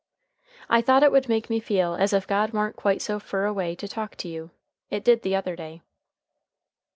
"I thought it would make me feel as if God warn't quite so fur away to talk to you. It did the other day."